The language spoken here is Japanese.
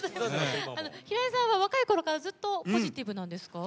平井さんは若い頃からずっとポジティブなんですか？